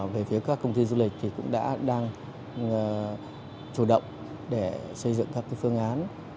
về phía các công ty du lịch thì cũng đã đang chủ động để xây dựng các phương án